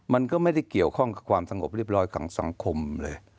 มันก็ไม่ได้เกี่ยวข้องกับความสงบเรียบร้อยของสังคมเลย